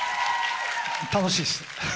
楽しいっす。